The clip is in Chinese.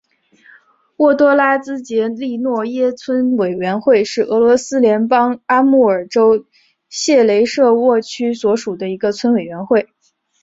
沃多拉兹杰利诺耶村委员会是俄罗斯联邦阿穆尔州谢雷舍沃区所属的一个村委员会。